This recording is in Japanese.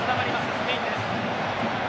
スペインです。